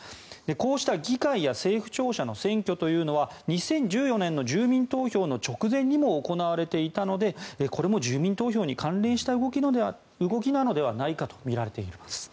こうした議会や政府庁舎の占拠というのは２０１４年の住民投票の直前にも行われていたのでこれも住民投票に関連した動きなのではないかとみられています。